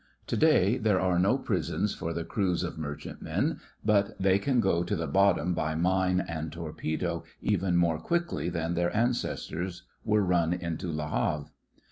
To day there are no prisons for the crews of merchantmen, but they can go to the bottom by mine and torpedo even more quickly than their ancestors were run into Le Havre.